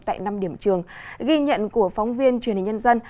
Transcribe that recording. tại năm điểm trường ghi nhận của phóng viên truyền hình nhân dân